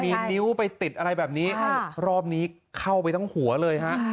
มีนิ้วไปติดอะไรแบบนี้รอบนี้เข้าไปทั้งหัวเลยฮะ